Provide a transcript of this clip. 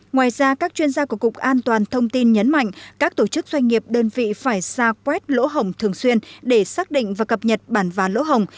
ngoài ra các chuyên gia của cục an toàn thông tin nhấn mạnh các tổ chức doanh nghiệp đơn vị phải ra quét lỗ hồng thường xuyên để xác định và cập nhật bản và lỗ hồng